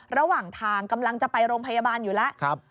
ระหว่างทางกำลังจะไปโรงพยาบาลอยู่แล้ว